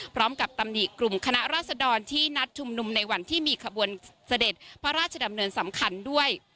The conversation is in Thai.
ตำหนิกลุ่มคณะราษดรที่นัดชุมนุมในวันที่มีขบวนเสด็จพระราชดำเนินสำคัญด้วย